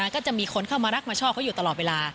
ก็จะมีคนเข้ามารักมาชอบเขาอยู่ตลอดเวลา